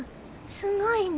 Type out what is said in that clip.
すごいね。